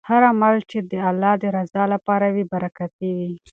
هر عمل چې د الله د رضا لپاره وي برکتي وي.